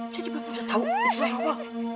jadi pak kamu tau itu suara apa